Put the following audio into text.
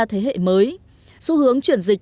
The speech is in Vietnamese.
thế hệ mới xu hướng chuyển dịch